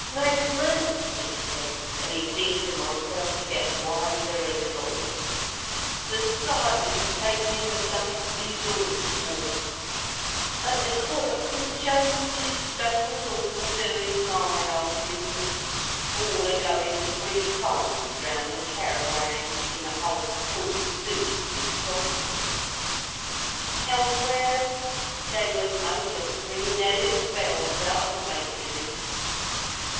"Magsman," he says, and he seemed to myself to get wiser as he got hoarser; "Society, taken in the lump, is all dwarfs. At the court of St. James's, they was all a doing my old business—all a goin three times round the Cairawan, in the hold court suits and properties. Elsewheres, they was most of 'em ringin their little bells out of make believes.